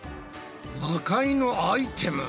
魔界のアイテム？